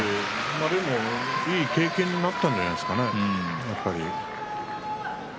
でもいい経験だったんじゃないですかね、やっぱり。